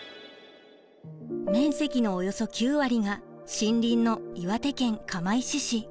面積のおよそ９割が森林の岩手県釜石市。